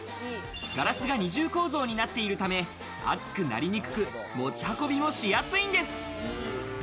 ガラスが二重構造になっているため熱くなりにくく、持ち運びもしやすいんです。